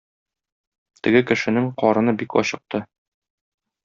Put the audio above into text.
Теге кешенең карыны бик ачыкты.